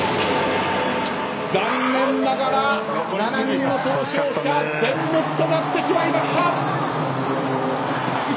残念ながら７人の逃走者は全滅となってしまいました。